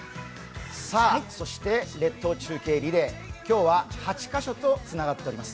そして列島中継リレー、今日は８カ所とつながっております。